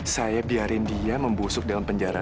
saya biarin dia membusuk dalam penjara